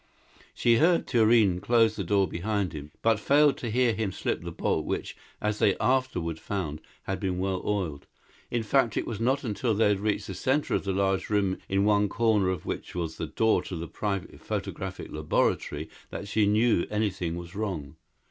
She heard Thurene close the door behind him, but failed to hear him slip the bolt which, as they afterward found, had been well oiled. In fact, it was not until they had reached the center of the large room, in one corner of which was the door to the private photographic laboratory, that she knew anything was wrong.